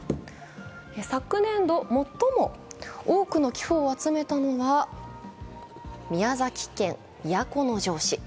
昨年度、最も多くの寄付を集めたのが宮崎県都城市。